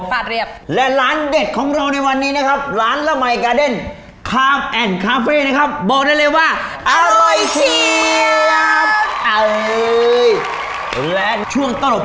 ฝาดเรียบและร้านเด็ดของเราในวันนี้นะครับร้านละไหมกาเด็นคาแอนด์คาเฟ่นะครับ